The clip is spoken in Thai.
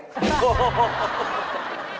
โห